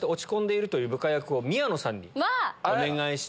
宮野さんにお願いして。